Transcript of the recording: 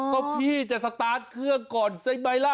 ก็พี่จะสตาร์ทเครื่องก่อนใช่ไหมล่ะ